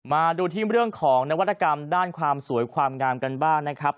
มาดูที่เรื่องของนวัตกรรมด้านความสวยความงามกันบ้างนะครับ